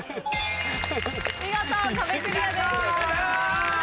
見事壁クリアです。